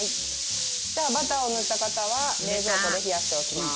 じゃあバターを塗った型は冷蔵庫で冷やしておきます。